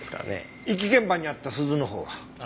遺棄現場にあった鈴のほうは？